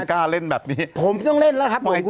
กล้าเล่นแบบนี้ผมต้องเล่นแล้วครับ